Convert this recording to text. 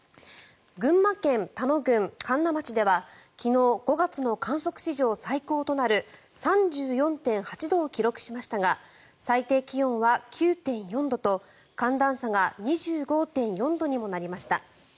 群馬県多野郡神流町では昨日５月の観測史上最高となる３４．８度を記録しましたが最低気温は９．４度と寒暖差が２５．４度にもなりました。